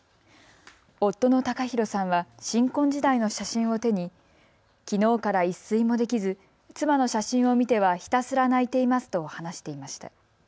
夫の貴寛さんは新婚時代の写真を手にきのうから一睡もできず妻の写真を見てはひたすら泣いていますと話していました。